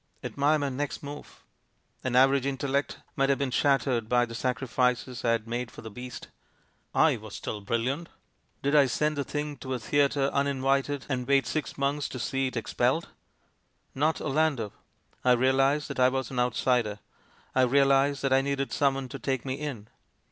Admire my next move I An average in tellect might have been shattered by the sacri fices I had made for the beast; I was still bril liant. Did I send the thing to a theatre unin vited and wait six months to see it expelled? Not Orlando! I reahsed that I was an outsider. I realised that I needed someone to take me in.